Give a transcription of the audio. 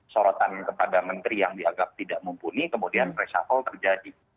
sorotan kepada menteri yang dianggap tidak mumpuni kemudian reshuffle terjadi